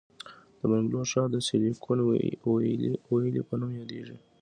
د بنګلور ښار د سیلیکون ویلي په نوم یادیږي.